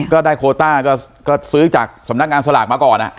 ก็ได้โคต้าก็ซื้อจากสำนักงานสลากมาก่อน